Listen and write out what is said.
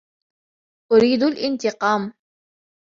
أُريد الإنتقام.